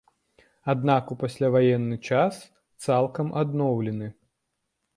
Аднак у пасляваенны час цалкам адноўлены.